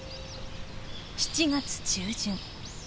７月中旬。